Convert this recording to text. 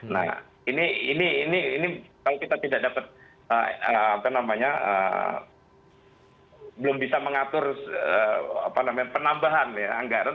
nah ini kalau kita tidak dapat belum bisa mengatur penambahan ya anggaran